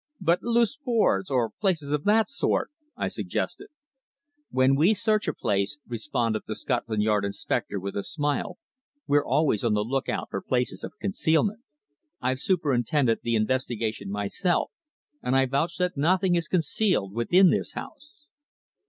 "But loose boards, or places of that sort?" I suggested. "When we search a place," responded the Scotland Yard inspector with a smile, "we're always on the look out for places of concealment. I've superintended the investigation myself, and I vouch that nothing is concealed within this house."